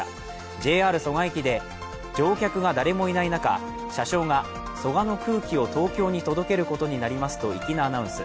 ＪＲ蘇我駅で乗客が誰もいない中車掌が蘇我の空気を東京に届けることになりますと粋なアナウンス。